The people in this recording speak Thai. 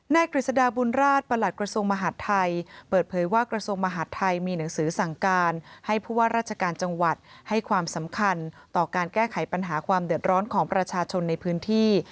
กฤษฎาบุญราชประหลัดกระทรวงมหาดไทยเปิดเผยว่ากระทรวงมหาดไทยมีหนังสือสั่งการให้ผู้ว่าราชการจังหวัดให้ความสำคัญต่อการแก้ไขปัญหาความเดือดร้อนของประชาชนในพื้นที่